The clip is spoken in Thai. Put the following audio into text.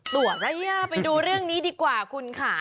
ตัวระยะไปดูเรื่องนี้ดีกว่าคุณค่ะ